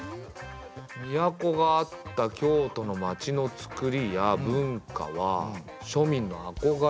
都があった京都の町のつくりや文化は庶民のあこがれだから。